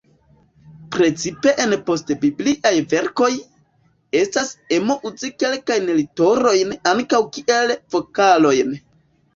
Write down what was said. Precipe en post-bibliaj verkoj, estas emo uzi kelkajn literojn ankaŭ kiel vokalojn.